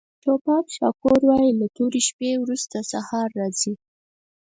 ټوپاک شاکور وایي له تورې شپې وروسته سهار راځي.